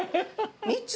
３つ？